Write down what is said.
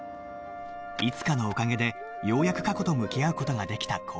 いつかのおかげでようやく過去と向き合う事ができた紘一